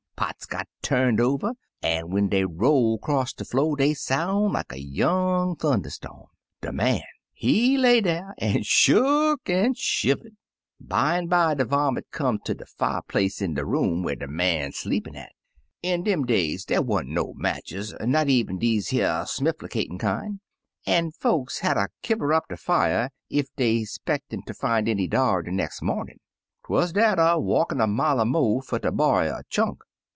— pots got turned over, an* ^en dey roll 'cross de flo' dey soun' like a young thun derstorm. De man, he lay dar, an' shuck an' shiver'd. "Bimeby de varmint come ter de fier place in de room where de man sleepin' at. In dem days, dey wa'n't no matches, not even deze here smifHicatin' )dn\ an' folks hatter kiwer up der fier ef dey 'speckted ter fin' any dar de nex' momin' ; 'twuz dat, er walkin' a mile er mo' fer ter borry a chunk.